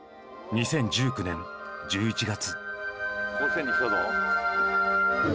２０１９年１１月。